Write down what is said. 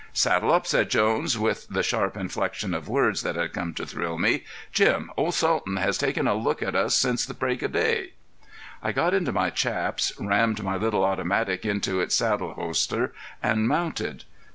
"Saddle up!" said Jones, with the sharp inflection of words that had come to thrill me. "Jim, Old Sultan has taken a look at us since break of day." I got into my chaps, rammed my little automatic into its saddle holster and mounted.